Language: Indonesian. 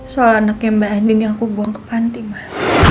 soal anaknya mbak andin yang aku buang ke panti mbak